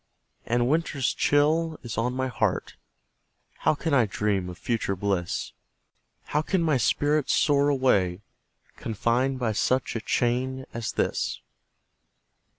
And winter's chill is on my heart How can I dream of future bliss? How can my spirit soar away, Confined by such a chain as this?